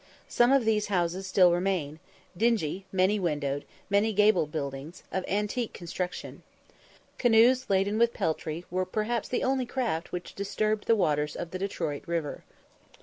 Some of these houses still remain, dingy, many windowed, many gabled buildings, of antique construction. Canoes laden with peltry were perhaps the only craft which disturbed the waters of the Detroit river.